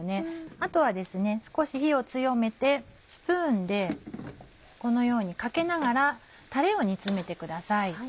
あとはですね少し火を強めてスプーンでこのようにかけながらたれを煮詰めてください。